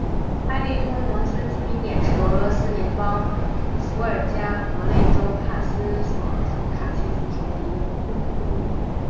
埃利通农村居民点是俄罗斯联邦伏尔加格勒州帕拉索夫卡区所属的一个农村居民点。